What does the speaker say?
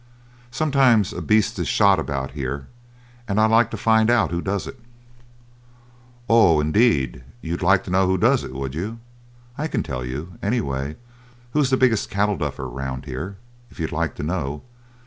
"Sometimes a beast is shot about here, and I'd like to find out who does it." "Oh, indeed! you'd like to know who does it, would you? I can tell you, anyway, who is the biggest cattle duffer round here, if you'd like to know!"